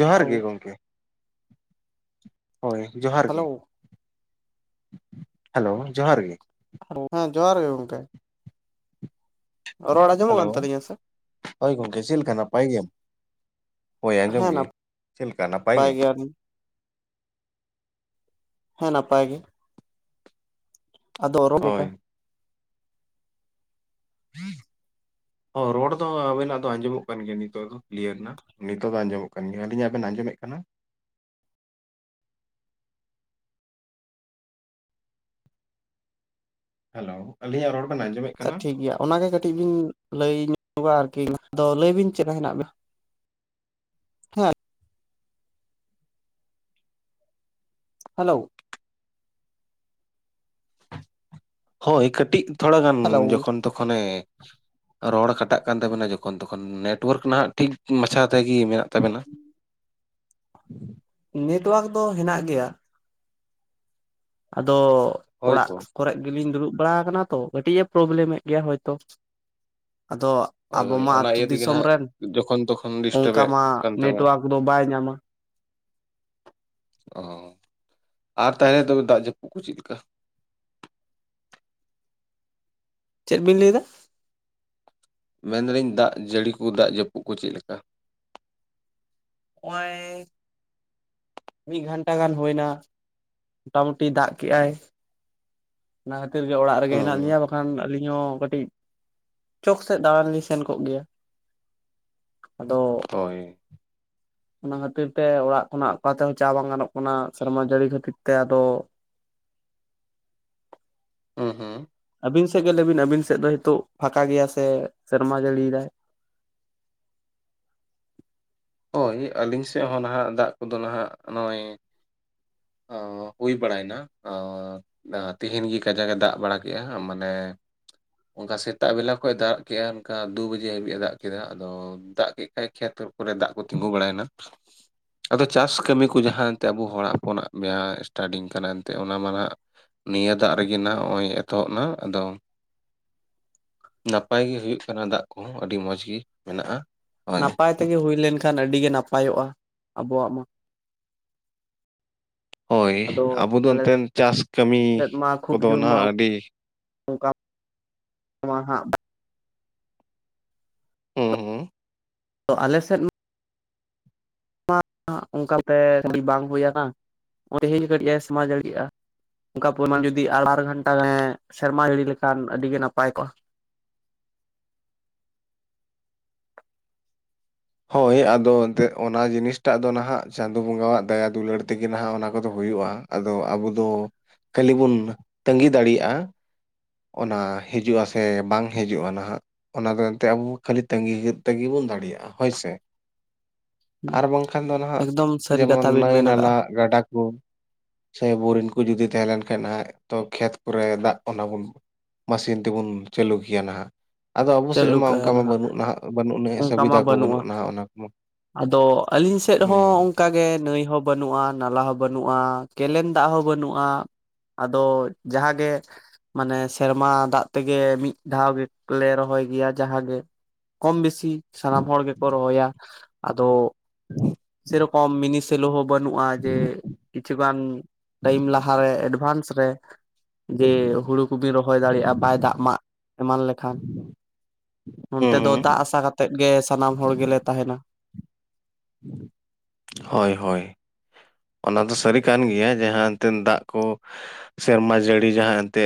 ᱡᱚᱦᱟᱨ ᱜᱮ ᱦᱮᱞᱳ ᱜᱚᱢᱠᱮ ᱦᱳᱭ ᱡᱚᱦᱟᱨ ᱦᱮᱞᱳ ᱜᱮ ᱦᱮᱞᱳ ᱡᱚᱦᱟᱨ ᱜᱮ ᱦᱮᱸ ᱡᱚᱦᱟᱨ ᱜᱮ ᱜᱚᱝᱠᱮ ᱨᱚᱲ ᱟᱸᱡᱚᱢᱚᱜ ᱦᱮᱞᱳ ᱠᱟᱱ ᱛᱟᱹᱞᱤᱧᱟ ᱥᱮ ᱦᱳᱭ ᱜᱚᱢᱠᱮ ᱪᱮᱫᱞᱠᱟ ᱱᱟᱯᱟᱭ ᱜᱮᱮ ᱦᱳᱭ ᱟᱸᱡᱚᱢ ᱦᱮᱸ ᱜᱮ ᱪᱮᱫᱠᱟ ᱱᱟᱯᱟᱭ ᱜᱮ ᱦᱮᱸ ᱱᱟᱯᱟᱭ ᱜᱮ ᱟᱫᱚ ᱚᱨ ᱵᱮ ᱦᱳᱭ [inaudible] ᱦᱚᱸ ᱨᱚᱲ ᱫᱚ ᱟᱵᱮᱱᱟᱜ ᱫᱚ ᱟᱸᱡᱚᱢᱚᱜ ᱠᱟᱱ ᱜᱮᱭᱟ ᱱᱤᱛᱚᱜ ᱫᱚ ᱠᱞᱤᱭᱟᱨ ᱨᱮᱱᱟᱜ ᱱᱤᱛᱚᱜ ᱫᱚ ᱟᱸᱡᱚᱢᱚᱜ ᱠᱟᱱ ᱱᱧ ᱟᱹᱞᱤᱧᱟᱜ ᱵᱮᱱ ᱟᱸᱡᱚᱢᱮᱫ ᱠᱟᱱᱟ? ᱦᱮᱞᱳ ᱟᱹᱞᱤᱧᱟᱜ ᱨᱚᱲ ᱵᱮᱱ ᱟᱸᱡᱚᱢᱮᱫ ᱟᱪᱪᱷᱟ ᱠᱟᱱᱟ ᱴᱷᱤᱠ ᱜᱮᱭᱟ ᱚᱱᱟᱜᱮ ᱠᱟᱹᱴᱤᱡ ᱵᱤᱱ ᱞᱟᱹᱭ ᱧᱚᱜᱼᱟ ᱟᱨᱠᱤ ᱟᱫᱚ ᱞᱟᱹᱭ ᱵᱤᱱ ᱪᱮᱫ ᱞᱮᱠᱟ ᱦᱮᱱᱟᱜ ᱵᱮᱱᱟ ᱦᱮᱞᱳ ᱦᱳᱭ ᱠᱟᱹᱴᱤᱡ ᱛᱷᱚᱲᱟ ᱜᱟᱱ ᱦᱮᱞᱳ ᱡᱚᱠᱷᱚᱱ ᱛᱚᱠᱷᱚᱱᱮ ᱨᱚᱲ ᱠᱟᱴᱟᱜ ᱠᱟᱱ ᱛᱟᱵᱮᱱᱟ ᱡᱚᱠᱷᱚᱱ ᱛᱚᱠᱷᱚᱱ ᱱᱮᱴᱣᱟᱨᱠ ᱱᱟᱸᱦᱜ ᱴᱷᱤᱠ ᱢᱟᱪᱷᱟ ᱛᱮᱜᱮ ᱢᱮᱱᱟᱜ ᱛᱟᱵᱮᱱᱟ ᱱᱮᱴᱚᱣᱟᱨᱠ ᱫᱚ ᱦᱮᱱᱟᱜ ᱜᱮᱭᱟ ᱟᱫᱚ ᱚᱲᱟᱜ ᱦᱳᱭᱛᱚ ᱠᱚᱨᱮ ᱜᱮᱞᱤᱧ ᱫᱩᱲᱩᱵ ᱵᱟᱲᱟ ᱟᱠᱟᱱᱟ ᱛᱚ ᱠᱟᱹᱴᱤᱡ ᱮ ᱯᱨᱚᱵᱞᱮᱢᱮᱫ ᱜᱮᱭᱟ ᱦᱚᱭᱛᱚ ᱟᱫᱚ ᱦᱳᱭ ᱟᱵᱚ ᱦᱳᱭ ᱢᱟ ᱚᱱᱟ ᱟᱹᱛᱩ ᱤᱭᱟᱹ ᱛᱮᱜᱮ ᱫᱤᱥᱚᱢ ᱱᱟᱦᱟᱜ ᱨᱮᱱ ᱡᱚᱠᱷᱚᱱ ᱛᱚᱠᱷᱚᱱ ᱚᱱᱠᱟ ᱰᱤᱥᱴᱟᱵᱮᱫ ᱢᱟ ᱠᱟᱱ ᱛᱟᱵᱮᱱᱟ ᱱᱮᱴᱚᱣᱟᱨᱠ ᱫᱚ ᱵᱟᱭ ᱧᱟᱢᱟ ᱚ ᱟᱨ ᱛᱟᱦᱮᱞᱮ ᱛᱚᱵᱮ ᱫᱟᱜ ᱡᱟᱹᱯᱩᱫ ᱠᱚ ᱪᱮᱫᱞᱮᱠᱟ ᱪᱮᱫ ᱵᱤᱱ ᱞᱟᱹᱭᱮᱫᱟ ᱢᱮᱱᱫᱟᱹᱧ ᱫᱟᱜ ᱡᱟᱹᱲᱤ ᱠᱚ ᱫᱟᱜ ᱡᱟᱹᱯᱩᱫ ᱠᱚ ᱪᱮᱫ ᱞᱮᱠᱟ ᱚᱭ ᱢᱤᱫ ᱜᱷᱟᱱᱴᱟ ᱜᱟᱱ ᱦᱩᱭ ᱮᱱᱟ ᱢᱚᱴᱟᱢᱩᱴᱤ ᱫᱟᱜ ᱠᱮᱫᱟᱭ ᱚᱱᱟ ᱠᱷᱟᱹᱛᱤᱨ ᱜᱮ ᱚᱲᱟᱜ ᱨᱮᱜᱮ ᱦᱮᱱᱟᱜ ᱦᱩᱸ ᱞᱤᱧᱟ ᱠᱷᱟᱱ ᱟᱹᱞᱤᱧ ᱦᱚᱸ ᱠᱟᱹᱴᱤᱡ ᱪᱚᱠ ᱥᱮᱫ ᱫᱟᱬᱟᱱ ᱞᱤᱧ ᱥᱮᱱ ᱠᱚᱜ ᱜᱮᱭᱟ ᱟᱫᱚ ᱦᱳᱭ ᱚᱱᱟ ᱠᱷᱟᱹᱛᱤᱨ ᱛᱮ ᱚᱲᱟᱜ ᱠᱷᱚᱱᱟᱜ ᱚᱠᱟ ᱛᱮᱦᱚᱸ ᱪᱟ ᱵᱟᱝ ᱜᱟᱱᱚᱜ ᱠᱟᱱᱟ ᱥᱮᱨᱢᱟ ᱡᱟᱹᱲᱤ ᱠᱷᱟᱹᱛᱤᱨ ᱛᱮ ᱟᱫᱚ ᱦᱮᱸ ᱟᱹᱵᱤᱱ ᱥᱮᱫ ᱜᱮ ᱞᱮᱵᱤᱱ ᱟᱵᱤᱱ ᱥᱮᱫ ᱫᱚ ᱱᱤᱛᱚᱜ ᱯᱷᱟᱸᱠᱟ ᱜᱮᱭᱟ ᱥᱮᱨᱢᱟ ᱡᱟᱹᱲᱤᱭᱮᱫᱟᱭ ᱦᱳᱭ ᱟᱹᱞᱤᱧ ᱥᱮᱫ ᱦᱚᱸ ᱱᱟᱦᱟᱜ ᱫᱟᱜ ᱠᱚᱫᱚ ᱱᱟᱦᱟᱜ ᱱᱚᱜᱼᱚᱭ ᱦᱩᱭ ᱵᱟᱲᱟᱭᱱᱟ ᱛᱮᱦᱤᱧ ᱜᱮ ᱠᱟᱡᱟᱠ ᱮ ᱫᱟᱜ ᱵᱟᱲᱟ ᱠᱮᱜᱼᱟ ᱢᱟᱱᱮ ᱚᱱᱠᱟ ᱥᱮᱛᱟᱜ ᱵᱮᱞᱟ ᱠᱷᱚᱱ ᱮ ᱫᱟᱜ ᱠᱮᱫᱼᱟ ᱚᱱᱠᱟ ᱫᱩ ᱵᱟᱡᱮ ᱦᱟᱹᱵᱤᱡ ᱮ ᱫᱟᱜ ᱠᱮᱫᱟ ᱟᱫᱚ ᱫᱟᱜ ᱠᱮᱫ ᱠᱷᱟᱡ ᱠᱷᱮᱛ ᱠᱚᱨᱮ ᱫᱟᱜ ᱠᱚ ᱛᱤᱸᱜᱩ ᱵᱟᱲᱟᱭᱮᱱᱟ ᱟᱫᱚ ᱪᱟᱥ ᱠᱟᱹᱢᱤ ᱠᱚ ᱡᱟᱦᱟᱸ ᱮᱱᱛᱮ ᱟᱵᱚ ᱦᱚᱲ ᱦᱚᱯᱚᱱᱟᱜ ᱡᱟᱦᱟᱸ ᱮᱥᱴᱟᱴᱤᱝ ᱠᱟᱱᱟ ᱮᱱᱛᱮᱫ ᱚᱱᱟ ᱢᱟ ᱱᱟᱸᱜ ᱱᱤᱭᱟᱹ ᱫᱟᱜ ᱨᱮᱜᱮ ᱱᱟ ᱱᱚᱜᱼᱚᱭ ᱮᱛᱚᱦᱚᱵ ᱱᱟ ᱟᱫᱚ ᱱᱟᱯᱟᱭ ᱜᱮ ᱦᱩᱭᱩᱜ ᱠᱟᱱᱟ ᱫᱟᱜ ᱠᱚᱦᱚᱸ ᱟᱹᱰᱤ ᱢᱚᱸᱡᱽ ᱜᱮ ᱢᱮᱱᱟᱜᱼᱟ ᱦᱳᱭ ᱱᱟᱯᱟᱭ ᱛᱮᱜᱮ ᱦᱩᱭ ᱞᱮᱱᱠᱷᱟᱱ ᱟᱹᱰᱤ ᱜᱮ ᱱᱟᱯᱟᱭᱚᱜᱼᱟ ᱟᱵᱚᱣᱟᱜ ᱢᱟ ᱦᱳᱭ ᱟᱫᱚ ᱟᱵᱚ ᱫᱚ ᱟᱞᱮ ᱮᱱᱛᱮᱱ ᱪᱟᱥ ᱠᱟᱹᱢᱤ ᱠᱚᱫᱚ ᱱᱟᱦᱟᱜ ᱟᱹᱰᱤ [unintelligible] ᱠᱟ ᱦᱮᱸ ᱦᱩᱸ ᱛᱚ ᱟᱞᱮ ᱥᱮᱫ ᱢᱟ ᱚᱱᱠᱟᱛᱮ ᱠᱟᱹᱴᱤᱡ ᱵᱟᱝ ᱦᱩᱭᱭᱟ ᱛᱮᱦᱮᱧ ᱠᱟᱹᱴᱤᱡ ᱮ ᱥᱮᱢᱟ ᱡᱟᱹᱲᱤ ᱠᱮᱜᱼᱟ ᱚᱱᱠᱟ ᱯᱚᱨᱤᱢᱟᱱ ᱡᱩᱫᱤ ᱟᱨ ᱵᱟᱨ ᱜᱷᱚᱱᱴᱟ ᱥᱮᱨᱢᱟ ᱡᱟᱹᱲᱤ ᱞᱮᱠᱷᱟᱱ ᱟᱹᱰᱤ ᱜᱮ ᱱᱟᱯᱟᱭ ᱠᱚᱜᱼᱟ ᱦᱳᱭ ᱟᱫᱚ ᱮᱱᱛᱮᱫ ᱚᱱᱟ ᱡᱤᱱᱤᱥᱴᱟᱜ ᱚᱱᱟ ᱡᱤᱱᱤᱥᱴᱟᱜ ᱫᱚ ᱱᱟᱦᱟᱜ ᱪᱟᱸᱫᱳ ᱵᱚᱸᱜᱟᱣᱟᱜ ᱫᱟᱭᱟ ᱫᱩᱞᱟᱹᱲ ᱛᱮᱜᱮ ᱱᱟᱦᱟᱜ ᱚᱱᱟ ᱠᱚᱫᱚ ᱦᱩᱭᱩᱜᱼᱟ ᱟᱫᱚ ᱟᱵᱚ ᱫᱚ ᱠᱷᱟᱹᱞᱤ ᱵᱚᱱ ᱛᱟ. ᱜᱤ ᱫᱟᱲᱮᱭᱟᱜᱼᱟ ᱚᱱᱟ ᱦᱤᱡᱩᱜᱼᱟ ᱥᱮ ᱵᱟᱝ ᱦᱤᱡᱩᱜᱼᱟ ᱱᱟᱦᱟᱜ ᱚᱱᱟ ᱫᱚ ᱮᱱᱛᱮ ᱟᱵᱚ ᱠᱷᱟᱹᱞᱤ ᱛᱟ. ᱜᱤ ᱛᱟᱹᱜᱤ ᱵᱚᱱ ᱫᱟᱲᱮᱭᱟᱜᱼᱟ ᱦᱳᱭᱥᱮ ᱟᱨ ᱵᱟᱝᱠᱷᱟᱱ ᱫᱚ ᱱᱟᱦᱟᱜ ᱮᱠᱫᱚᱢ ᱥᱟᱹᱨᱤ ᱡᱮᱢᱚᱱ ᱠᱟᱛᱷᱟ ᱵᱤᱱ ᱱᱟᱹᱭ ᱢᱮᱱ ᱱᱟᱞᱟ ᱟᱠᱟᱜᱼᱟ ᱜᱟᱰᱟ ᱠᱚ ᱥᱮ ᱵᱚᱣᱨᱤᱝ ᱠᱚ ᱡᱩᱫᱤ ᱛᱟᱦᱮᱸ ᱞᱮᱱ ᱠᱷᱟᱱ ᱱᱟᱦᱟᱜ ᱛᱚ ᱠᱷᱮᱛ ᱠᱚᱨᱮ ᱫᱟᱜ ᱚᱱᱟ ᱵᱚᱱ ᱢᱮᱥᱤᱱ ᱛᱮᱵᱚᱱ ᱪᱟᱹᱞᱩ ᱠᱮᱭᱟ ᱱᱟᱦᱟᱜ ᱟᱫᱚ ᱟᱵᱚ ᱥᱮᱫ ᱪᱟᱹᱞᱩ ᱢᱟ ᱠᱟᱜᱼᱟ ᱚᱱᱠᱟ ᱢᱟ ᱵᱟᱹᱱᱩᱜ ᱱᱟᱦᱟᱜ ᱵᱟᱹᱱᱩᱜ ᱟᱹᱱᱤᱡ ᱚᱱᱠᱟ ᱢᱟ ᱥᱩᱵᱤᱫᱷᱟ ᱠᱚ ᱵᱟᱹᱱᱩᱜᱼᱟ ᱱᱟᱦᱟᱜ ᱢᱟ ᱟᱫᱚ ᱟᱹᱞᱤᱧ ᱥᱮᱫ ᱦᱚ ᱚᱱᱠᱟᱜᱮ ᱱᱟᱹᱭ ᱦᱚ ᱵᱟᱹᱱᱩᱜᱼᱟ ᱱᱟᱞᱟ ᱦᱚ ᱵᱟᱹᱱᱩᱜᱼᱟ ᱠᱮᱞᱮᱱ ᱫᱟᱜ ᱦᱚᱸ ᱵᱟᱹᱱᱩᱜᱼᱟ ᱟᱫᱚ ᱡᱟᱦᱟᱸᱜᱮ ᱢᱟᱱᱮ ᱥᱮᱨᱢᱟ ᱫᱟᱜ ᱛᱮᱜᱮ ᱢᱤᱫ ᱫᱷᱟᱣ ᱜᱮᱞᱮ ᱨᱚ ᱨᱚᱦᱚᱭ ᱜᱮᱭᱟ ᱡᱟᱦᱟᱸ ᱜᱮ ᱠᱚᱢ ᱵᱮᱥᱤ ᱥᱟᱱᱟᱢ ᱦᱚᱲ ᱜᱮᱠᱚ ᱨᱚᱦᱚᱭᱟ ᱟᱫᱚ ᱚᱠ ᱢᱤᱱᱤᱥ [unintelligible] ᱥᱮᱞᱚ ᱦᱚᱸ ᱵᱟᱹᱱᱩᱜᱼᱟ ᱡᱮ ᱠᱤᱪᱷᱩᱜᱟᱱ ᱴᱟᱭᱤᱢ ᱞᱟᱦᱟᱨᱮ ᱮᱰᱵᱷᱟᱱᱥ ᱨᱮ ᱡᱮ ᱦᱩᱲᱩ ᱠᱚᱵᱤᱱ ᱨᱚᱦᱚᱭ ᱫᱟᱲᱮᱭᱟᱜᱼᱟ ᱵᱟᱭ ᱫᱟᱜ ᱢᱟᱜ ᱮᱢᱟᱱ ᱞᱮᱠᱷᱟᱱ ᱱᱚᱱᱛᱮ ᱫᱚ ᱦᱩᱸ ᱫᱟᱜ ᱟᱥᱟ ᱠᱟᱛᱮᱜ ᱜᱮ ᱥᱟᱱᱟᱢ ᱦᱚᱲ ᱜᱮᱞᱮ ᱛᱟᱦᱮᱱᱟ ᱦᱚᱭ ᱦᱚᱭ ᱚᱱᱟ ᱫᱚ ᱥᱟᱹᱨᱤ ᱠᱟᱱ ᱜᱮᱭᱟ ᱡᱟᱦᱟᱸ ᱮᱱᱛᱮᱫ ᱫᱟᱜ ᱠᱚ ᱥᱮᱨᱢᱟ ᱡᱟᱹᱲᱤ ᱡᱟᱦᱟᱸ ᱮᱱᱛᱮ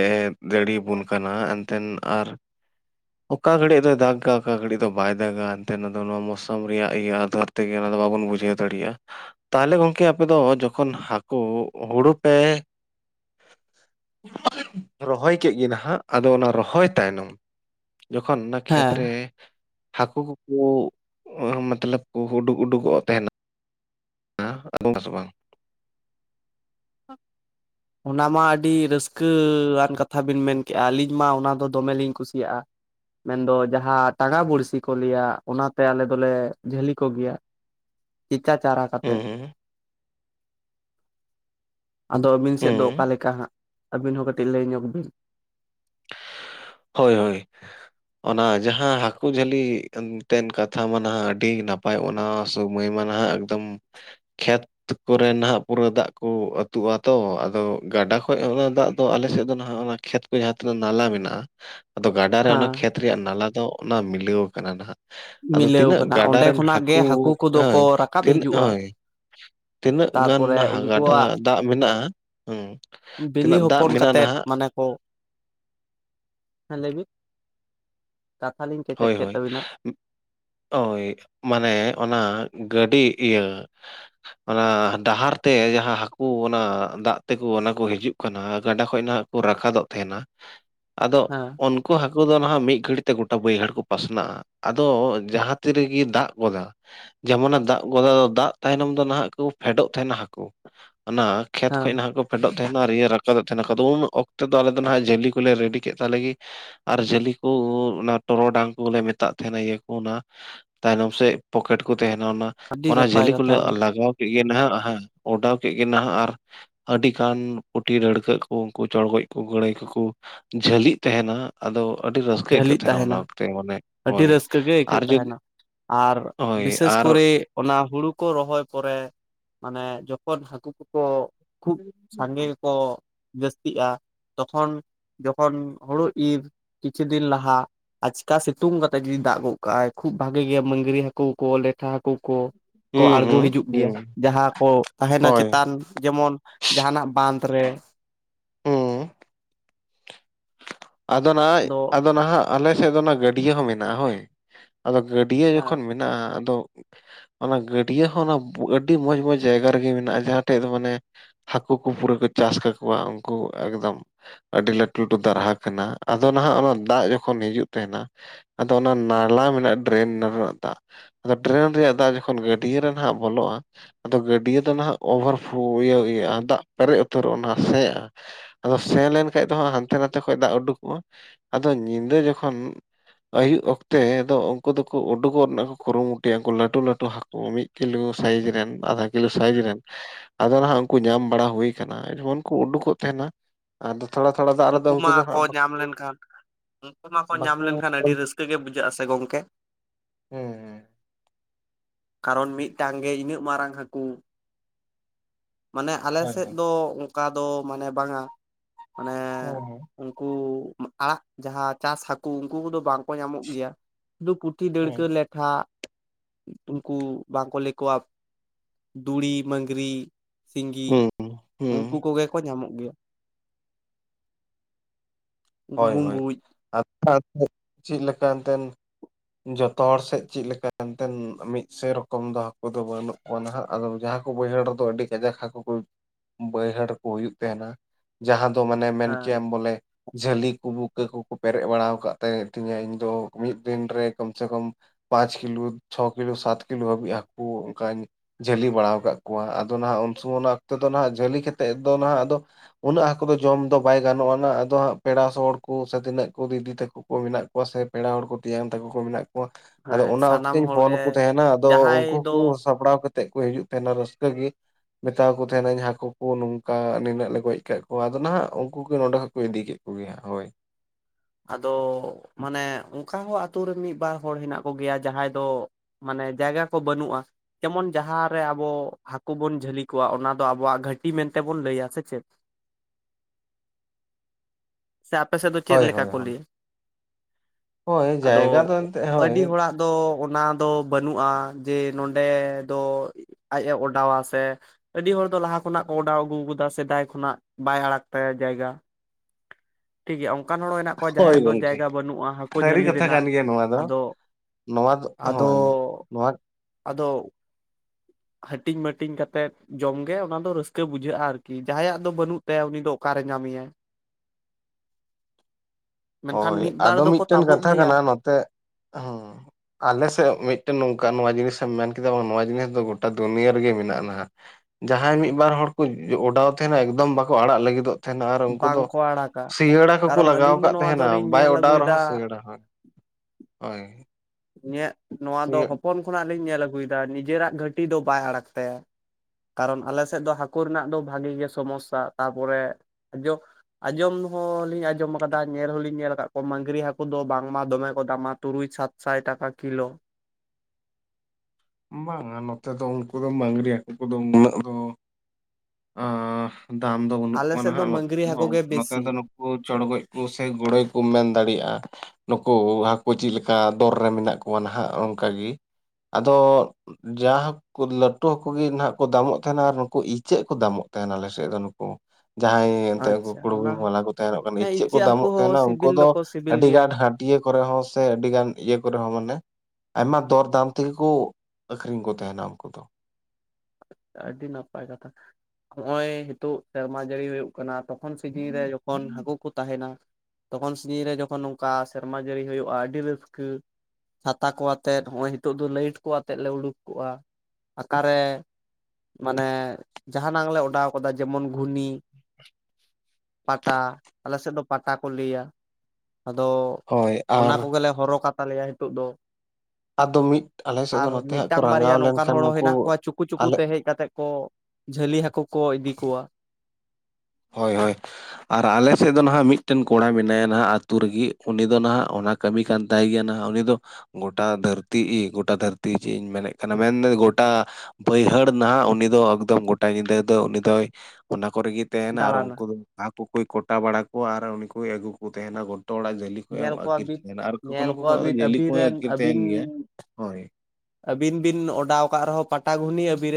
ᱡᱟᱹᱲᱤᱭᱟ ᱟᱵᱚᱱ ᱠᱟᱱᱟ ᱮᱱᱛᱮᱫ ᱟᱨ [inaudible] ᱚᱠᱟ ᱜᱷᱟᱹᱲᱤ ᱫᱚᱭ ᱫᱟᱜᱟ ᱚᱠᱟ ᱜᱷᱟᱹᱲᱤ ᱫᱚ ᱵᱟᱭ ᱫᱟᱜᱟ ᱮᱱᱛᱮ ᱱᱚᱣᱟ ᱢᱚᱥᱚᱢ ᱨᱮᱭᱟᱜ ᱤᱭᱟᱹ ᱟᱫᱷᱟᱨ ᱛᱮᱜᱮ ᱚᱱᱟ ᱫᱚ ᱵᱟᱵᱚᱱ ᱵᱩᱡᱷᱟᱹᱣ ᱮ [unintelligible] ᱫᱟᱲᱮᱭᱟ ᱛᱟᱦᱚᱞᱮ ᱜᱚᱢᱠᱮ ᱟᱯᱮ ᱫᱚ ᱡᱚᱠᱷᱚᱱ ᱦᱟᱹᱠᱩ ᱦᱩᱲᱩ ᱯᱮ ᱨᱚᱦᱚᱭ ᱠᱮᱫ ᱜᱮ ᱦᱟᱜ ᱟᱫᱚ ᱚᱱᱟ ᱨᱚᱦᱚᱭ ᱛᱟᱭᱱᱚᱢ ᱡᱚᱠᱷᱚᱱ ᱚᱱᱟ ᱦᱮᱸ ᱠᱷᱮᱛᱨᱮ ᱦᱟᱹᱠᱩ ᱠᱩᱠᱩ ᱢᱚᱛᱞᱚᱵ ᱠᱩ ᱦᱰᱩᱠ ᱩᱰᱩᱠᱚᱜ ᱛᱟᱦᱮᱱᱟ [unintelligible] ᱥᱮ ᱵᱟᱝ ᱚᱱᱟ ᱢᱟ ᱟᱹᱰᱤ ᱨᱟᱹᱥᱠᱟᱹᱟᱱ ᱠᱟᱛᱷᱟ ᱵᱤᱱ ᱢᱮᱱᱠᱮᱜᱼᱟ ᱟᱹᱞᱤᱧ ᱢᱟ ᱚᱱᱟ ᱫᱚ ᱫᱚᱢᱮᱞᱤᱧ ᱠᱩᱥᱤᱭᱟᱜᱼᱟ ᱢᱮᱱᱫᱚ ᱡᱟᱦᱟᱸ ᱴᱟᱸᱜᱟ ᱵᱩᱲᱥᱤ ᱠᱚ ᱞᱟᱹᱭᱟ ᱚᱱᱟ ᱛᱮ ᱟᱞᱮ ᱫᱚᱞᱮ ᱡᱷᱟᱹᱞᱤ ᱠᱚᱜᱮᱭᱟ ᱠᱮᱪᱟ ᱪᱟᱨᱟ ᱠᱟᱛᱮ ᱦᱩᱸ ᱟᱫᱚ ᱟᱹᱵᱤᱱ ᱥᱮᱫ ᱫᱚ ᱚᱠᱟ ᱦᱩᱸ ᱞᱮᱠᱟ ᱦᱟᱜ ᱟᱹᱵᱤᱱ ᱦᱚᱸ ᱠᱟᱹᱴᱤᱡ ᱞᱟᱹᱭ ᱧᱚᱜ ᱵᱤᱱ ᱦᱳᱭ ᱦᱳᱭ ᱚᱱᱟ ᱡᱟᱦᱟᱸ ᱦᱟᱹᱠᱩ ᱡᱷᱟᱹᱞᱤ ᱮᱱᱛᱮᱱ ᱠᱟᱛᱷᱟ ᱢᱟ ᱱᱟᱦᱟᱜ ᱟᱹᱰᱤ ᱱᱟᱯᱟᱭ ᱱᱟᱯᱟᱭ ᱚᱱᱟ ᱥᱣᱢᱟᱹᱭ ᱢᱟ ᱱᱟᱦᱟᱜ ᱮᱠᱫᱚᱢ ᱠᱷᱮᱛ [unintelligible] ᱠᱚᱨᱮ ᱱᱟᱦᱟᱜ ᱯᱩᱨᱟᱹ ᱫᱟᱜ ᱠᱚ ᱟᱹᱛᱩᱜ-ᱟ ᱛᱚ ᱟᱫᱚ ᱜᱟᱰᱟ ᱠᱷᱚᱡ ᱚᱱᱟ ᱫᱟᱜ ᱫᱚ ᱟᱞᱮ ᱥᱮᱫ ᱫᱚ ᱱᱟᱦᱟᱜ ᱚᱱᱟ ᱠᱷᱮᱛ ᱠᱚ ᱡᱟᱦᱟᱸ ᱛᱤᱱᱟᱹᱜ ᱱᱟᱞᱟ ᱢᱮᱱᱟᱜ-ᱟ ᱟᱫᱚ ᱜᱟᱰᱟᱨᱮ ᱚᱱᱟ ᱦᱮᱸ ᱠᱷᱮᱛ ᱨᱮᱭᱟᱜ ᱱᱟᱞᱟ ᱫᱚ ᱚᱱᱟ ᱢᱤᱞᱟᱹᱣ ᱠᱟᱱᱟ ᱱᱟᱦᱟᱜ ᱟᱫᱚ ᱢᱤᱞᱟᱹᱣ ᱛᱤᱱᱟᱹᱜ ᱠᱟᱱᱟ ᱜᱟᱰᱟ ᱚᱸᱰᱮ ᱨᱮᱱ ᱠᱷᱚᱱᱟᱜ ᱜᱮ ᱦᱟᱹᱠᱩ ᱠᱚᱫᱚ ᱠᱚ ᱦᱮᱸ ᱨᱟᱠᱟᱵ ᱛᱤᱱᱟᱹᱜ ᱦᱤᱡᱩᱜᱼᱟ ᱦᱚᱭ [unintelligible] ᱛᱤᱱᱟᱹᱜ ᱜᱟᱱ ᱛᱟᱨᱯᱚᱨᱮ ᱜᱟᱰᱟ ᱩᱱᱠᱩᱣᱟᱜ ᱫᱟᱜ ᱢᱮᱱᱟᱜᱼᱟ ᱦᱩᱸ ᱛᱤᱱᱟᱹᱜ ᱫᱟᱜ ᱢᱮᱱᱟᱜᱼᱟ ᱱᱟᱦᱟᱜ ᱚᱱᱟ ᱠᱚ ᱦᱮᱸ ᱞᱟᱹᱭᱵᱤᱱ ᱠᱟᱛᱷᱟ ᱞᱤᱧ ᱠᱮᱪᱮᱫ ᱦᱳᱭ ᱠᱮᱫ ᱛᱟᱵᱤᱱᱟ ᱦᱳᱭ ᱢᱟᱱᱮ ᱚᱱᱟ ᱜᱟᱹᱰᱤ ᱤᱭᱟᱹ ᱚᱱᱟ ᱰᱟᱦᱟᱨ ᱛᱮ ᱡᱟᱦᱟᱸ ᱦᱟᱹᱠᱩ ᱚᱱᱟ ᱫᱟᱜ ᱛᱮᱠᱚ ᱚᱱᱟ ᱠᱚ ᱦᱤᱡᱩᱜ ᱠᱟᱱᱟ ᱜᱟᱰᱟ ᱠᱷᱚᱡ ᱱᱟᱸ ᱠᱚ ᱨᱟᱠᱟᱫᱚᱜ ᱛᱟᱦᱮᱱᱟ ᱟᱫᱚ ᱦᱮᱸ ᱩᱱᱠᱩ ᱦᱟᱹᱠᱩ ᱫᱚ ᱱᱟᱦᱟᱜ ᱢᱤᱫ ᱜᱷᱟᱹᱲᱤᱡ ᱛᱮ [unintelligible] ᱜᱚᱴᱟ ᱵᱟᱹᱭᱦᱟᱹᱲ ᱠᱚ ᱯᱟᱥᱱᱟᱜᱼᱟ ᱟᱫᱚ ᱡᱟᱦᱟᱸ ᱛᱤᱨᱮ ᱜᱮ ᱫᱟᱜ ᱜᱚᱫᱟ ᱡᱮᱢᱚᱱᱮ ᱫᱟᱜ ᱜᱚᱫᱟ ᱫᱟᱜ ᱛᱟᱭᱱᱚᱢ ᱫᱚ ᱱᱟᱦᱟᱜ ᱠᱚ ᱯᱷᱮᱰᱚᱜ ᱛᱟᱦᱮᱱᱟ ᱦᱟᱹᱠᱩ ᱚᱱᱟ ᱠᱷᱮᱛ ᱦᱮᱸ ᱠᱷᱚᱡ ᱱᱟᱦᱟᱜ ᱠᱚ ᱯᱷᱮᱰᱚᱜ ᱛᱟᱦᱮᱱᱟ ᱟᱨ ᱤᱭᱟᱹ ᱨᱟᱠᱟᱵᱚᱜ ᱛᱟᱦᱮᱱᱟ ᱠᱷᱫᱚ ᱩᱱ ᱚᱠᱛᱚ ᱫᱚ ᱟᱞᱮ ᱫᱚ ᱱᱟᱜ ᱡᱟᱹᱞᱤ ᱠᱚᱞᱮ ᱨᱮᱰᱤ ᱠᱮᱫ ᱛᱟᱞᱮ ᱜᱤ ᱟᱨ ᱡᱷᱟᱹᱞᱤ ᱠᱚ ᱚᱱᱟ ᱴᱚᱨᱚᱰᱟᱝ ᱠᱚᱞᱮ ᱢᱮᱛᱟᱜ ᱛᱟᱦᱮᱸᱱᱟ ᱤᱭᱟᱹ ᱠᱚ ᱚᱱᱟ ᱛᱟᱭᱱᱚᱢ ᱥᱮᱫ ᱯᱚᱠᱮᱴ ᱠᱚ ᱛᱟᱦᱮᱸᱱᱟ ᱚᱱᱟ ᱟᱹᱰᱤ ᱚᱱᱟᱹ ᱱᱟᱯᱟᱭ ᱡᱷᱟᱹᱞᱤ ᱠᱚᱞᱮ ᱠᱟᱛᱷᱟ ᱚᱱᱟ ᱞᱟᱜᱟᱼᱣ ᱠᱮᱫ ᱜᱮ ᱱᱟᱦᱟᱼᱜ ᱦᱮᱸ ᱚᱰᱟᱣ ᱠᱮᱫ ᱜᱮ ᱱᱟᱦᱟᱼᱜ ᱟᱨ ᱟᱹᱰᱤ ᱜᱟᱱ ᱯᱩᱴᱷᱤ ᱰᱟᱹᱲᱠᱟᱹᱜ ᱠᱚ ᱩᱱᱠᱩ ᱪᱚᱲᱜᱚᱡ ᱠᱚ ᱜᱟᱹᱲᱟᱹᱭ ᱠᱚᱠᱚ ᱡᱷᱟᱹᱞᱤᱜ ᱛᱟᱦᱮᱱᱟᱹ ᱟᱼᱫᱚ ᱟᱹᱰᱤ ᱨᱟᱹᱥᱠᱟᱹ ᱟᱹᱭᱠᱟᱹᱜ ᱡᱷᱟᱹᱞᱤᱜ ᱛᱟᱦᱮᱸᱱᱟ ᱚᱱᱟᱹ ᱛᱟᱦᱮᱱᱟ ᱟᱹᱰᱤ ᱨᱟᱹᱥᱠᱟᱹ ᱜᱮ ᱟᱹᱭᱠᱟᱹᱜ ᱛᱟᱦᱮᱱᱟᱹ ᱟᱨ ᱦᱳᱭ ᱵᱤᱥᱮᱥ ᱟᱨ ᱠᱚᱨᱮᱹ ᱚᱱᱟ ᱦᱩᱲᱩ ᱠᱚ ᱨᱚᱦᱚᱭ ᱯᱚᱨᱮ ᱢᱟᱹᱱᱮ ᱡᱚᱠᱷᱚᱱ ᱦᱟᱹᱠᱩ ᱠᱚᱠᱚᱸ ᱠᱷᱩᱵ ᱥᱟᱜᱮ ᱠᱚ ᱡᱟᱹᱥᱛᱤᱜᱼᱟ ᱛᱚ ᱠᱷᱚᱱ ᱡᱚᱠᱷᱚᱱ ᱦᱩᱲᱩ ᱤᱨ ᱠᱤᱹᱪᱷᱩ ᱫᱤᱱ ᱞᱟᱦᱟ ᱟᱪᱤᱠᱟ ᱥᱤᱛᱩᱝ ᱠᱟᱹᱛᱮᱫ ᱡᱩᱫᱤ ᱫᱟᱜ ᱜᱚᱫ ᱠᱟᱜᱟᱭ ᱠᱷᱩᱵ ᱵᱷᱟᱜᱤ ᱜᱮᱼᱭᱟ ᱢᱟᱹᱟᱝᱨᱤ ᱦᱟᱹᱠᱩ ᱠᱚ ᱞᱮᱴᱷᱟ ᱦᱟᱹᱠᱩ ᱠᱚ ᱠᱚ ᱦᱩᱸ ᱟᱬᱜᱚ ᱦᱩᱸ ᱦᱤᱡᱩᱜ ᱜᱮᱼᱭᱟ ᱦᱩᱸ ᱡᱟᱦᱟᱸ ᱠᱚ ᱛᱟᱦᱮᱱᱟᱹ ᱦᱳᱭ ᱪᱮᱛᱟᱱ ᱡᱮᱹᱢᱚᱱ ᱡᱟᱦᱟᱱᱟᱼᱜ ᱵᱟᱸᱫᱽ ᱨᱮ ᱦᱩᱸ ᱟᱼᱫᱚ ᱱᱟ ᱟᱫᱚ ᱟᱼᱫᱚ ᱱᱟᱦᱟᱼᱜ ᱟᱞᱮ ᱥᱮᱫ ᱫᱚ ᱚᱱᱟ ᱜᱟᱹᱰᱭᱟᱹ ᱦᱚᱸ ᱢᱮᱱᱟᱜᱼᱟ ᱦᱳᱭ ᱟᱼᱫᱚ ᱜᱟᱹᱰᱭᱟᱹ ᱦᱮᱸ ᱡᱚᱹᱠᱷᱚᱱ ᱢᱮᱱᱟᱜᱼᱟ ᱟᱼᱫᱚ ᱚᱱᱟᱹ ᱜᱟᱹᱰᱭᱟᱹ ᱦᱚᱸ ᱚᱱᱟ ᱟᱹᱰᱤ ᱢᱚᱸᱡᱽ ᱢᱚᱸᱡᱽ ᱡᱟᱭᱜᱼᱟ ᱨᱮᱜᱮ ᱢᱮᱱᱟᱜᱼᱟ ᱡᱟᱦᱟᱸ ᱴᱷᱮᱡ ᱫᱚ ᱢᱟᱱᱮ ᱦᱟᱹᱠᱩ ᱠᱩ ᱯᱩᱨᱟᱹ ᱠᱚ ᱪᱟᱥ ᱠᱟᱠᱚᱣᱼᱟ ᱩᱱᱠᱩ ᱮᱠᱫᱚᱢ ᱟᱹᱰᱤ ᱞᱟᱹᱴᱩ ᱞᱟᱹᱴᱩ ᱫᱟᱨᱦᱟᱹ ᱠᱟᱱᱟ ᱟᱼᱫᱚ ᱱᱟᱦᱟᱼᱜ ᱚᱱᱟ ᱫᱟᱜ ᱡᱚᱹᱠᱷᱚᱱ ᱦᱤᱡᱩᱜ ᱛᱟᱦᱮᱱᱟ ᱟᱼᱫᱚ ᱚᱱᱟ ᱱᱟᱞᱟ ᱢᱮᱱᱟᱜᱼᱟ ᱰᱨᱮᱹᱱ ᱨᱮᱱᱟᱼᱜ ᱫᱟᱜ ᱟᱼᱫᱚ ᱰᱨᱮᱱ ᱨᱮᱭᱟᱼᱜ ᱫᱟᱜ ᱡᱚᱠᱷᱚᱱ ᱜᱟᱹᱰᱭᱟᱹ ᱨᱮ ᱱᱟᱦᱟᱼᱜ ᱵᱚᱞᱚᱜᱼᱟ ᱟᱼᱫᱚ ᱜᱟᱹᱰᱭᱟᱹ ᱫᱚ ᱱᱟᱦᱱᱟᱼᱜ ᱚᱵᱷᱟᱨ ᱯᱷ ᱼᱟ ᱤᱭᱟ ᱤᱭᱟ ᱫᱟᱜ ᱯᱮᱨᱮᱡ ᱩᱛᱟᱹᱨᱚᱜᱼᱟ ᱱᱟᱦᱥᱮ ᱟᱼᱫᱚ ᱥᱮᱱ ᱞᱮᱱᱠᱷᱟᱡ ᱫᱚ ᱦᱟᱱᱛᱮ ᱱᱟᱛᱮ ᱠᱷᱚᱡ ᱫᱟᱜ ᱩᱰᱩᱠᱚᱜᱼᱟ ᱟᱼᱫᱚ ᱧᱤᱫᱟᱹ ᱡᱚᱹᱠᱷᱚᱱ ᱟᱭᱩᱵ ᱚᱠᱛᱮ ᱫᱚ ᱩᱱᱠᱩ ᱫᱚᱠᱚ ᱩᱰᱩᱠᱚᱜ ᱨᱮᱱᱟᱜ ᱠᱚ ᱠᱩᱨᱩᱢᱩᱴᱩᱭᱼᱟ ᱩᱱᱠᱩ ᱞᱟᱹᱴᱩ ᱞᱟᱹᱴᱩ ᱦᱟᱹᱠᱩ ᱢᱤᱫᱹ ᱠᱤᱞᱳ ᱥᱟᱭᱤᱡ ᱨᱮᱱᱹ᱾ ᱟᱫᱷᱟᱹ ᱠᱤᱞᱳ ᱥᱟᱭᱤᱡᱽ ᱨᱮᱱ ᱟᱼᱫᱚ ᱱᱟᱦᱟᱼᱜ ᱩᱱᱠᱩ ᱧᱟᱢ ᱵᱟᱲᱟ ᱦᱩᱭᱩ ᱟᱼᱠᱟᱱᱟᱱᱟ ᱡᱮᱹᱢᱚᱱ ᱠᱚ ᱩᱰᱩᱠᱚᱜ ᱛᱟᱦᱮᱱᱟᱹ᱾ ᱟᱼᱫᱚ ᱛᱷᱚᱲᱟ ᱛᱷᱚᱲᱟ ᱫᱚ ᱟᱨ ᱫᱚᱹ- ᱩᱱᱠᱩ ᱢᱟ ᱠᱚ ᱧᱟᱢ ᱞᱮᱱᱹᱠᱷᱟᱱ ᱩᱱᱠᱩ ᱢᱟᱹᱠᱚ ᱧᱟᱢ ᱵᱟᱠᱚ ᱞᱮᱱᱹᱠᱷᱟᱱ ᱟᱹᱰᱤ ᱦᱩᱸ ᱨᱟᱹᱥᱠᱟᱹ ᱜᱮ ᱵᱩᱡᱷᱟᱹᱜᱼᱟ ᱥᱮ ᱜᱚᱝᱹᱠᱮ? ᱦᱮᱸ ᱦᱩᱸ ᱠᱟᱨᱚᱱ ᱢᱤᱫᱴᱟᱝ ᱜᱮ ᱤᱱᱟᱹᱜ ᱢᱟᱨᱟᱝ ᱦᱟᱹᱠᱩ᱾ ᱢᱟᱹᱱᱮ ᱟᱼᱞᱮ ᱦᱳᱭ ᱥᱮᱫ ᱦᱳᱭ ᱫᱚ ᱚᱱᱠᱟ ᱫᱚ ᱢᱟᱹᱱᱮ ᱵᱟᱝᱟ ᱢᱟᱹᱱᱮ ᱩᱱᱠᱩ ᱟᱲᱟᱼᱜ ᱡᱟᱦᱟᱸ ᱪᱟᱥ ᱦᱟᱹᱠᱩ ᱩᱱᱠᱩ ᱠᱚᱫᱚᱹ ᱵᱟᱝᱼᱠᱚ ᱧᱟᱢᱚᱜ ᱜᱮᱼᱭᱟ ᱥᱩᱫᱩ [inaudible] ᱫᱲᱠ ᱦᱩᱸ ᱞᱮᱹᱠ ᱠᱟᱛᱷᱟ ᱩᱱᱠᱩ ᱵᱟᱝᱼᱠᱚ ᱞᱠᱚᱣᱟ ᱫᱩᱲᱤ ᱢᱟᱹᱟᱝᱨᱤ᱾ ᱥᱤᱸᱜᱤ ᱦᱩᱸ ᱦᱩᱸ ᱦᱩᱸ ᱩᱱᱠᱩ ᱠᱚᱹᱜᱮ ᱠᱚ ᱧᱟᱢᱚᱜ ᱜᱮᱼᱭᱟ᱾ ᱦᱳᱭᱸ ᱦᱳᱭᱸ ᱵᱩᱢᱵᱩᱡ ᱟᱪᱮᱫ ᱞᱮᱠᱟ ᱮᱱᱛᱮᱫ ᱡᱚᱛᱚ ᱦᱚᱲ ᱥᱮᱫ ᱪᱮᱫ ᱞᱮᱠᱟᱹ ᱮᱱᱛᱮ ᱢᱤᱫ ᱥᱮ ᱨᱚᱠᱚᱢ ᱫᱚ ᱦᱟᱹᱠᱩ ᱫᱚ ᱵᱟᱹᱱᱩᱜ ᱠᱚᱣᱟᱹ ᱦᱟᱸᱜ ᱟᱼᱫᱚ ᱡᱟᱦᱟᱸ ᱠᱚ ᱵᱟᱹᱭᱦᱟᱹᱲ ᱨᱮᱫᱚ ᱟᱹᱰᱤ ᱠᱟᱡᱟᱠ ᱦᱟᱹᱠᱩ ᱠᱚ ᱵᱟᱹᱭᱦᱟᱹᱲ ᱠᱚ ᱦᱩᱭᱩᱜᱹ ᱛᱟᱦᱮᱱᱟᱹ᱾ ᱡᱟᱦᱟᱸ ᱫᱚ ᱢᱟᱹᱱᱮ ᱢᱮᱱ ᱦᱮᱸ ᱠᱮᱜᱼᱟᱢ ᱵᱚᱞᱮᱸ ᱡᱷᱟᱹᱞᱤ ᱠᱚ ᱵᱩᱠᱟᱹ ᱠᱚᱠᱚ ᱯᱮᱨᱮᱡ ᱵᱟᱹᱲᱟ ᱟᱼᱠᱟᱫ ᱛᱟᱦᱮᱸ ᱛᱤᱧᱟᱹ ᱤᱧ ᱫᱚ ᱢᱤᱫ ᱫᱤᱱ ᱨᱮ ᱠᱚᱢᱹ ᱥᱮ ᱠᱚᱢᱹ ᱯᱟᱸᱪ ᱠᱤᱞᱳ ᱪᱷᱚ ᱠᱤᱞᱳ ᱥᱟᱛ ᱠᱤᱞᱳ ᱦᱟᱹᱵᱤᱡ ᱦᱟᱹᱠᱩ ᱚᱱᱠᱟᱼᱧᱸ ᱡᱷᱟᱹᱞᱤ ᱵᱟᱹᱲᱟ ᱠᱟᱜ ᱠᱚᱣᱟᱹ ᱟᱼᱫᱚ ᱱᱟᱦᱜᱸ ᱩᱱ ᱥᱚᱢᱚᱭ ᱚᱠᱛᱚ ᱫᱚ ᱱᱟᱦᱜᱸ ᱡᱷᱟᱹᱞᱤ ᱠᱟᱹᱛᱮᱫ ᱫᱚ ᱱᱟᱦᱸ ᱟᱼᱫᱚ ᱩᱱᱟᱹᱜ ᱦᱟᱹᱠᱩ ᱫᱚ ᱡᱚᱢ ᱫᱚ ᱵᱟᱭ ᱜᱟᱱᱚᱜᱼᱟᱱᱟ ᱟᱼᱫᱚ ᱦᱟᱸᱜ ᱯᱮᱲᱟ ᱥ ᱦᱚᱲ ᱠᱚ ᱥᱮ ᱛᱤᱱᱟᱹ ᱜ ᱠᱚ ᱫᱤᱫᱤ ᱛᱟᱠᱚ ᱠᱚ ᱢᱮᱱᱟᱼᱜ ᱠᱚᱣᱟᱸ ᱥᱮ ᱯᱮᱲᱟ ᱦᱚᱲ ᱠᱚ ᱛᱮᱭᱟᱝ ᱛᱟᱠᱚ ᱠᱚ ᱢᱮᱱᱟᱼᱜ ᱠᱚᱣᱟᱹ ᱟᱼᱫᱚ ᱦᱮᱸ ᱚᱱᱟᱹ ᱥᱟᱱᱟᱢ ᱚᱠᱛᱮᱧ ᱯᱷᱳᱱᱹ ᱦᱚᱲᱜᱮ ᱠᱚ ᱛᱟᱦᱮᱱᱟᱹ ᱟᱼᱫᱚ ᱡᱟᱦᱟᱸᱭ ᱩᱱᱠᱩ ᱫᱚ ᱠᱚ ᱥᱟᱯᱲᱟᱼᱣ ᱠᱟᱛᱮ ᱛᱮᱫ ᱠᱚ ᱦᱤᱡᱩᱜ ᱛᱟᱦᱮᱱᱟᱹ ᱨᱟᱹᱥᱠᱟᱹ ᱜᱮ ᱢᱮᱹᱛᱟᱣᱼᱟ ᱠᱚ ᱛᱟᱦᱮᱱᱟᱹᱧ ᱦᱟᱹᱠᱩ ᱠᱚ ᱱᱚᱝᱹᱠᱟ ᱱᱤᱱᱟᱹᱜ ᱞᱮ ᱜᱚᱡ ᱠᱟᱜ ᱠᱚᱣᱟ ᱟᱫᱼᱚ ᱱᱟᱦᱟᱼᱜ ᱩᱱᱠᱩᱜ ᱜᱮ ᱱᱚᱸᱰᱮ ᱦᱚᱸᱠᱚ ᱤᱫᱤ ᱠᱮᱫ ᱠᱚᱣᱟᱹ ᱠᱩᱸᱜᱮ ᱦᱮᱸ ᱦᱚᱭᱸ᱾ ᱟᱼᱫᱚ ᱢᱟᱹᱱᱮ ᱚᱱᱠᱟᱹ ᱦᱚᱸ ᱟᱛᱩ ᱨᱮ ᱢᱤᱫ ᱵᱟᱨ ᱦᱚᱲᱹ ᱦᱮᱱᱟ ᱠᱚᱜᱮᱭᱼᱟ ᱡᱟᱦᱟᱸᱭ ᱫᱚ ᱢᱟᱹᱱᱮ ᱡᱟᱭᱜᱼᱟ ᱠᱚ ᱵᱟᱹᱱᱩᱜᱼᱟ᱾ ᱡᱮᱹᱢᱚᱱ ᱡᱟᱦᱟᱸ ᱨᱮ ᱟᱵᱚ ᱦᱟᱹᱠᱩ ᱵᱚᱱ ᱡᱷᱟᱹᱞᱤ ᱠᱚᱣᱟᱹ ᱚᱱᱟᱹ ᱫᱚ ᱟᱵᱚᱣᱟᱼᱜ ᱜᱷᱟᱹᱴᱤ ᱢᱮᱱᱹᱛᱮᱵᱚᱱ ᱞᱟᱹᱭᱟ ᱥᱮ ᱪᱮᱫ᱾ [inaudible] ᱥᱮ ᱟᱼᱯᱮ ᱥᱮᱫ ᱫᱚ ᱪᱮᱫ ᱦᱳᱭ ᱞᱮᱠᱟᱹ ᱦᱳᱭ ᱠᱚ ᱦᱳᱭ᱾ ᱞᱟᱹᱭ ᱦᱳᱭ ᱾ ᱟᱼᱫᱚ ᱡᱟᱭᱜᱟ ᱫᱚ ᱮᱱᱛᱮᱜ ᱦᱳᱭ ᱟᱹᱰᱤ ᱦᱚᱲᱟᱼᱜ ᱫᱚ ᱚᱱᱟ ᱫᱚ ᱵᱟᱹᱱᱩᱜᱼᱟ ᱡᱮ ᱱᱚᱰᱮ ᱫᱚ ᱟᱡ ᱮ ᱚᱰᱟᱣᱟ ᱥᱮ ᱟᱹᱰᱤ ᱦᱚᱲ ᱫᱚ ᱞᱟᱸᱦᱟ ᱠᱷᱚᱱ ᱟᱜ ᱠᱚ ᱚᱰᱟᱣ ᱟᱹᱜᱩ ᱟᱠᱟᱫᱟ ᱥᱮᱫᱟᱭ ᱠᱷᱚᱱᱟᱜ ᱵᱟᱭ ᱟᱲᱟᱜ ᱛᱟᱭᱟ ᱡᱟᱭᱜᱟ᱾ ᱴᱷᱤᱠ ᱜᱮᱭᱟ ᱚᱱᱠᱟᱱ [unintelligible] [unintelligible] ᱦᱮᱱᱟᱜ ᱠᱚᱣᱟ ᱦᱳᱭ ᱡᱟᱦᱟᱸᱭ ᱟᱜ ᱫᱚ ᱜᱚᱝᱠᱮ ᱡᱟᱭᱜᱟ ᱵᱟᱹᱱᱩᱜᱼᱟ ᱦᱟᱹᱠᱩ ᱥᱟᱹᱨᱤ ᱡᱷᱟᱹᱞᱤ ᱠᱟᱛᱷᱟ ᱨᱮᱱᱟᱜ ᱠᱟᱱ ᱜᱮᱭᱟ ᱱᱚᱣᱟ ᱫᱚ ᱟᱫᱚ᱾ ᱱᱚᱣᱟ ᱫᱚ ᱟᱫᱚ ᱦᱳᱭ ᱱᱚᱣᱟ ᱟᱫᱚ ᱦᱟᱹᱴᱤᱧ ᱢᱟᱹᱴᱤᱧ ᱠᱟᱛᱮᱫ ᱡᱚᱢ ᱜᱮ ᱚᱱᱟ ᱫᱚ ᱨᱟᱹᱥᱠᱟᱹ ᱵᱩᱡᱷᱟᱹᱜᱼᱟ ᱟᱨᱠᱤ ᱡᱟᱦᱟᱸᱭ ᱭᱟᱜ ᱫᱚ ᱵᱟᱹᱱᱩᱜ ᱛᱟᱭᱟ ᱩᱱᱤ ᱫᱚ ᱚᱠᱟᱨᱮ ᱧᱟᱢᱮ ᱭᱟᱭ᱾ ᱢᱮᱱᱠᱷᱟᱱ ᱦᱳᱭ ᱵᱟᱨ ᱟᱫᱚ ᱫᱚᱠᱚ ᱢᱤᱫ ᱴᱮᱱ ᱛᱟᱵᱚᱜ ᱠᱟᱛᱷᱟ ᱜᱮᱭᱟ ᱠᱟᱱᱟ ᱱᱚᱛᱮ ᱦᱳᱭ ᱟᱞᱮ ᱥᱮᱫ ᱢᱤᱫ ᱴᱮᱱ ᱱᱚᱝᱠᱟ ᱱᱚᱣᱟ ᱡᱤᱱᱤᱥᱢ ᱢᱮᱱ ᱠᱮᱫᱟ ᱵᱟᱝ ᱱᱚᱣᱟ ᱡᱤᱱᱤᱥ ᱫᱚ ᱜᱚᱴᱟ ᱫᱩᱱᱭᱟᱹ ᱨᱮᱜᱮ ᱢᱮᱱᱟᱜᱼᱟ ᱡᱟᱦᱟᱸᱭ ᱢᱤᱫ ᱵᱟᱨ ᱦᱚᱲ ᱠᱚ ᱚᱰᱟᱣ ᱛᱟᱦᱮ ᱱᱟ ᱮᱠᱫᱚᱢ ᱵᱟᱠᱚ ᱟᱲᱟᱜ ᱞᱟᱹᱜᱤᱫ ᱚᱜ᱾ ᱛᱟᱦᱮ ᱱᱟ ᱟᱨ ᱩᱱᱠᱩ ᱫᱚ ᱵᱟᱝᱠᱚ ᱟᱲᱟᱜᱟ ᱥᱤᱸᱭᱟᱹᱲᱟ ᱠᱚ ᱠᱚ ᱠᱟᱨᱚᱱ ᱞᱟᱜᱟᱣ ᱟᱹᱞᱤᱧ ᱫᱚ ᱟᱠᱟᱫ ᱱᱚᱣᱟ ᱛᱟᱦᱮ ᱱᱟ ᱫᱚᱞᱤᱧ ᱵᱟᱭ ᱧᱮᱞ ᱚᱰᱟᱣ ᱟᱹᱜᱩᱭᱮᱫᱟ ᱨᱮᱦᱚᱸ ᱥᱤᱸᱭᱟᱹᱲᱟ ᱦᱳᱭ ᱤᱧᱟᱹᱜ ᱱᱚᱣᱟ ᱫᱚ ᱦᱚᱯᱚᱱ ᱠᱷᱚᱱᱟᱜ ᱞᱤᱧ ᱧᱮᱞ ᱟᱹᱜᱩᱭ ᱮᱫᱟ ᱱᱤᱡᱮ ᱨᱟᱜ ᱜᱷᱟᱹᱴᱤ ᱫᱚ ᱵᱟᱭ ᱟᱲᱟᱜ ᱛᱟᱭᱟ᱾ ᱠᱟᱨᱚᱱ ᱟᱞᱮ ᱥᱮᱫ ᱫᱚ ᱦᱟᱹᱠᱩ ᱨᱮᱱᱟᱜ ᱫᱚ ᱵᱷᱟᱜᱮ ᱜᱮ ᱥᱚᱢᱚᱥ ᱥᱟ ᱛᱟ ᱯᱚᱨᱮ ᱟᱸᱡᱚᱢ ᱦᱚᱸᱞᱤᱧ ᱟᱸᱡᱚᱢ ᱟᱠᱟᱫᱟ ᱧᱮᱞ ᱦᱚᱞᱤᱧ ᱧᱮᱞ ᱟᱠᱟᱫ ᱠᱚᱣᱟ ᱢᱟᱹᱝᱨᱤ ᱦᱟᱹᱠᱩ ᱫᱚ ᱵᱟᱝᱢᱟ ᱫᱚᱢᱮ ᱠᱚ ᱫᱟᱢᱟ ᱛᱩᱨᱩᱭ [unintelligible] ᱥᱟᱭ ᱴᱟᱠᱟ ᱠᱤᱞᱳ᱾ ᱵᱟᱝᱟ ᱱᱚᱛᱮ ᱫᱚ ᱩᱱᱠᱩ ᱫᱚ ᱢᱸᱜᱽᱨᱤ ᱦᱟᱹᱠᱩ ᱠᱚ ᱫᱚ ᱩᱱᱟᱹᱜ ᱫᱚ ᱫᱟᱢ ᱫᱚ ᱵᱟᱹᱱᱩᱜ ᱟᱞᱮ ᱠᱚᱣᱟ ᱱᱟ ᱥᱮᱫ ᱫᱚ ᱦᱟᱸᱜ ᱢᱟᱹᱜᱽᱨᱤ ᱦᱟᱹᱠᱩ ᱜᱮ ᱵᱮᱥᱤ ᱱᱚᱛᱮ ᱫᱚ ᱪᱚᱲᱜᱚᱡ ᱠᱚ ᱥᱮ ᱜᱳᱲᱳᱭ ᱠᱚᱢ ᱢᱮᱱ ᱫᱟᱲᱮ ᱭᱟᱜᱼᱟ᱾ ᱱᱩᱠᱩ ᱦᱟᱹᱠᱩ ᱪᱮᱫ ᱞᱮᱠᱟ ᱫᱚᱨ ᱨᱮ ᱢᱮᱱᱟᱜ ᱠᱚᱣᱟ ᱱᱟᱦᱟᱜ ᱚᱱᱠᱟ ᱜᱮ ᱛᱚ ᱡᱟᱦᱟᱸ ᱞᱟᱹᱴᱩ ᱦᱟᱹᱠᱩ ᱜᱮ ᱱᱟᱦᱟᱜ ᱠᱚ ᱫᱟ ᱢᱚᱜ ᱛᱟᱦᱮ ᱱᱟ ᱟᱨ ᱱᱩᱠᱩ ᱤᱪᱟᱹᱜ ᱠᱚ ᱫᱟ ᱢᱚᱜ ᱛᱟᱦᱮ ᱱᱟ ᱟᱞᱮ ᱥᱮᱫ ᱫᱚ ᱱᱩᱠᱩ ᱡᱟᱦᱟᱸᱭ ᱮᱱᱛᱮᱫ ᱩᱱᱠᱩ ᱟᱪᱪᱷᱟ ᱠᱩᱲ ᱵᱩ ᱚᱱᱟ ᱦᱚᱸ ᱢᱟᱞᱟ ᱠᱚ ᱛᱟᱦᱮ ᱱᱚᱜ ᱠᱟᱱᱟ ᱦᱮᱸ ᱤᱪᱟᱹᱜ ᱠᱚ ᱫᱟ ᱦᱟᱹᱠᱩ ᱢᱚᱜ ᱛᱟᱦᱮ ᱦᱚᱸ ᱱᱟ ᱩᱱᱠᱩ ᱥᱤᱵᱤᱞ ᱫᱚ ᱫᱚᱠᱚ ᱥᱤᱵᱤᱞ ᱟᱹᱰᱤ ᱜᱮᱭᱟ ᱜᱟᱱ ᱠᱚ ᱨᱮ ᱦᱚᱸ ᱥᱮ ᱟᱹᱰᱤ ᱜᱟᱱ ᱤᱭᱟᱹ ᱠᱚ ᱨᱮ ᱦᱚᱸ ᱢᱟᱱᱮ ᱟᱭᱢᱟ ᱫᱚᱨ ᱫᱟᱢ ᱛᱮ ᱜᱮ ᱠᱚ ᱟᱠᱷᱨᱤᱧ ᱠᱚ ᱛᱟᱦᱮ ᱱᱟ ᱩᱱᱠᱩ ᱫᱚ ᱟᱹᱰᱤ ᱱᱟᱯᱟᱭ ᱠᱟᱛᱷᱟ᱾ ᱱᱚᱜᱼᱚᱭ ᱱᱤᱛᱚᱜ ᱥᱮᱨᱢᱟ ᱡᱟᱹᱲᱤ ᱦᱩᱭᱩᱜ ᱠᱟᱱᱟ ᱛᱚ ᱠᱷᱚᱱ ᱥᱤᱡᱤᱱ ᱨᱮ ᱡᱚ ᱠᱷᱚᱱ ᱦᱟᱹᱠᱩ ᱠᱚ ᱛᱟᱦᱮ ᱱᱟ ᱛᱚᱠᱷᱚᱱ ᱥᱤᱡᱤᱧ ᱨᱮ ᱡᱚᱠᱷᱚᱱ ᱱᱚᱝ ᱠᱟ ᱥᱮᱨᱢᱟ ᱡᱟᱹᱲᱤ ᱦᱳᱭᱳᱜᱼᱟ ᱟᱹᱰᱤ ᱨᱟᱹᱥᱠᱟᱹ ᱪᱷᱟᱛᱟ ᱠᱚ ᱟᱛᱮᱫ ᱱᱚᱜᱼᱚᱭ ᱱᱤᱛᱚᱜ ᱫᱚ ᱞᱟᱹᱭᱤᱴ ᱠᱚ ᱟᱛᱮᱫ ᱞᱮ ᱩᱰᱩᱠ ᱠᱚᱜᱼᱟ ᱚᱠᱟᱨᱮ ᱢᱟᱱᱮ ᱡᱟᱦᱟ ᱱᱟᱜ ᱞᱮ ᱚᱰᱟᱣ ᱟᱠᱟᱫᱟ ᱡᱮᱢᱚᱱ ᱜᱷᱩᱱᱤ ᱯᱟᱴᱟ ᱟᱞᱮ ᱥᱮᱫ ᱫᱚ ᱯᱟᱴᱟ ᱠᱚ ᱞᱟᱹᱭᱟ ᱟᱫᱚ ᱦᱳᱭ ᱚᱱᱟ ᱟᱨ ᱠᱚᱜᱮ ᱞᱮ ᱦᱚᱨᱚᱜ ᱠᱟᱛᱟ ᱞᱮᱭᱟ ᱱᱤᱛᱚᱜ ᱫᱚ᱾ ᱟᱫᱚ ᱢᱤᱫ ᱟᱞᱮ ᱥᱮᱫ ᱟᱨ ᱫᱚ ᱱᱚᱛᱮ ᱢᱤᱫ ᱦᱟᱸᱜ ᱠᱚ ᱴᱟᱝ ᱵᱟᱨᱭᱟ ᱨᱟᱸᱜᱟᱣ ᱱᱚᱝᱠᱟᱱ ᱞᱮᱱᱠᱷᱟᱱ ᱦᱚᱲ ᱩᱱᱠᱩ ᱦᱮᱱᱟᱜ ᱠᱚᱣᱟ ᱪᱳᱠᱳ ᱪᱳᱠᱳ ᱟᱞᱮ ᱦᱮᱡ ᱠᱟᱛᱮ ᱠᱚ ᱡᱷᱟᱹᱞᱤ ᱦᱟᱹᱠᱳ ᱠᱚ ᱤᱫᱤ ᱠᱚᱣᱟ ᱾ ᱦᱳᱭ ᱦᱳᱭ ᱟᱨ ᱟᱞᱮ ᱥᱮᱫ ᱫᱚ ᱱᱟᱦᱟᱜ ᱢᱤᱫ ᱴᱮᱱ ᱠᱚᱲᱟ ᱢᱮᱱᱟᱭᱟ ᱱᱟᱦᱟᱜ ᱟᱛᱳ ᱨᱮ ᱜᱮ ᱩᱱᱤ ᱫᱚ ᱱᱟᱦᱟᱜ ᱚᱱᱟ ᱠᱟᱹᱢᱤ ᱠᱟᱱ ᱛᱟᱭ ᱜᱮᱭᱟ ᱩᱱᱤ ᱫᱚ ᱜᱚᱴᱟ ᱫᱷᱟᱹᱨᱛᱤ ᱜᱚᱴᱟ ᱫᱷᱟᱹᱨᱛᱤ ᱪᱮᱫ ᱤᱧ ᱢᱮᱱᱮᱫ ᱠᱟᱱᱟ ᱢᱮᱱ ᱫᱤᱧ ᱜᱚᱴᱟ ᱵᱟᱹᱭ ᱦᱟᱹᱲ ᱱᱟᱦᱟᱜ ᱩᱱᱤ ᱫᱚ ᱮᱠᱫᱚᱢ ᱜᱚᱴᱟ ᱧᱤᱫᱟᱹ ᱫᱚ ᱩᱱᱤ ᱫᱚᱭ ᱚᱱᱟ ᱠᱚᱨᱮ ᱛᱟᱦᱮ ᱱᱟ ᱟᱨ ᱫᱟᱬᱟᱱᱟ ᱩᱱᱠᱩ ᱫᱚ ᱦᱟᱠᱩ ᱠᱚ ᱠᱚᱴᱟ ᱵᱟᱲᱟ ᱠᱚᱣᱟ ᱟᱨ ᱩᱱᱠᱩ ᱠᱚ ᱟᱹᱜᱩ ᱠᱚ ᱛᱟᱦᱮ ᱱᱟ ᱡᱷᱚᱛᱚ ᱚᱲᱟᱜ ᱡᱟᱹᱞᱤ ᱧᱮᱞ ᱠᱚᱣᱟ ᱟᱹᱠᱤᱨ ᱵᱤᱱ ᱛᱟᱦᱮᱱᱟ ᱟᱨ ᱧᱮᱞ ᱠᱚᱠᱷᱚᱱᱚ ᱠᱚᱠᱷᱚᱱᱚ ᱫᱚ ᱠᱚᱣᱟᱵᱤᱱ ᱡᱷᱟᱞᱤ ᱠᱚ ᱟᱹᱵᱤᱱ ᱦᱚᱸᱭ ᱨᱮᱱ ᱟᱹᱠᱤᱨ ᱛᱟᱦᱮᱱ ᱟᱹᱵᱤᱱ ᱜᱮᱭᱟ ᱦᱳᱭ ᱟᱹᱵᱤᱱ ᱵᱤᱱ ᱚᱰᱟᱣ ᱟᱠᱟᱫ ᱨᱮᱦᱚᱸ ᱯᱟᱴᱟ ᱜᱷᱩᱱᱤ ᱟᱵᱤᱱ ᱨᱮᱱ